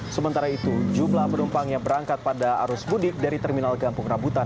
sementara itu jumlah penumpang yang berangkat pada arus mudik dari terminal kampung rambutan